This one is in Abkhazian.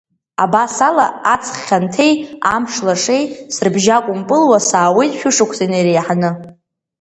Абас ала, аҵх хьанҭеи, амш лашеи срыбжьакәымпылуа саауеит шәышықәса инареиҳаны.